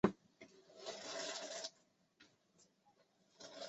平台叫用服务是公共语言基础设施相关实现的一个特性。